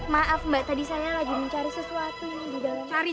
maaf mbak tadi saya lagi mencari sesuatu di dalam